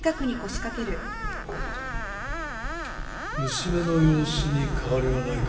娘の様子に変わりはないか？